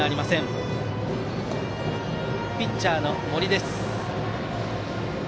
打席はピッチャーの森です。